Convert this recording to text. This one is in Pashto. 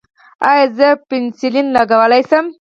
ایا زه پنسلین لګولی شم؟